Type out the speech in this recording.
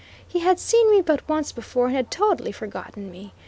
He had seen me but once before and had totally forgotten me.